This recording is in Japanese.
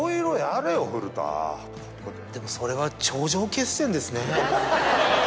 でもそれは頂上決戦ですね。